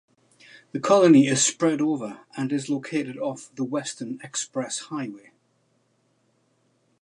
The colony is spread over and is located off the Western Express Highway.